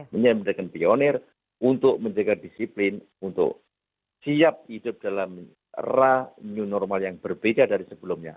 menyediakan pionir untuk menjaga disiplin untuk siap hidup dalam era new normal yang berbeda dari sebelumnya